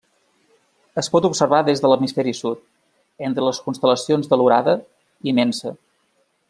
Es pot observar des de l'hemisferi sud, entre les constel·lacions de l'Orada i Mensa.